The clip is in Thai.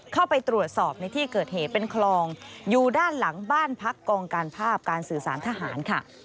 เข้าไปตรวจสอบในที่เกิดเหตุเป็นคลองอยู่ด้านหลังบ้านพักกองการภาพการสื่อสารทหารค่ะ